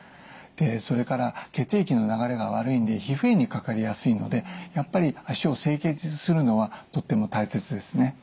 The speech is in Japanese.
それから血液の流れが悪いので皮膚炎にかかりやすいのでやっぱり脚を清潔にするのはとても大切ですね。